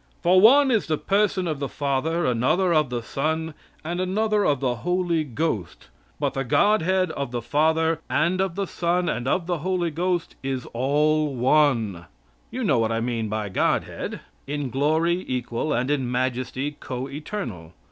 "For one is the person of the Father, another of the Son, and another of the Holy Ghost; but the Godhead of the Father, and of the Son, and of the Holy Ghost is all one " you know what I mean by Godhead. In glory equal, and in majesty co eternal.